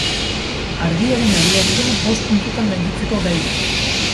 Argiaren abiadura bost puntutan gainditzeko gai da.